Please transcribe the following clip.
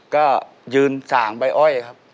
ก็ยืนสั่งไปอ้อยครับ